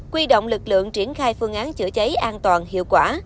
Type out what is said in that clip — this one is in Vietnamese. quy động lực lượng triển khai phương án chữa cháy an toàn hiệu quả